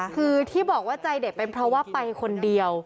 คือที่บอกว่าใจเด็กเป็นเพราะว่าไปคนเดียว